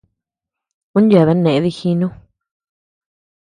Un yeabean neʼe dijinu.